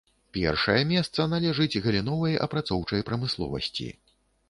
Першае месца належыць галіновай апрацоўчай прамысловасці.